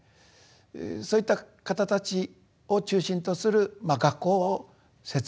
そういった方たちを中心とする学校を設立しなければならないと。